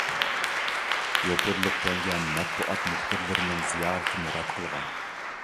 يوپۇرۇلۇپ كەلگەن مەتبۇئات مۇخبىرلىرىنىڭ زىيارىتىنى رەت قىلغان.